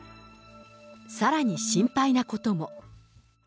さらに心配なことも。